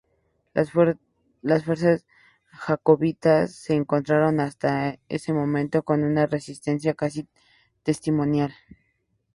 Las fuerzas jacobitas se encontraron hasta ese momento con una resistencia casi testimonial.